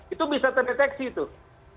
itu bisa terdeteksi tuh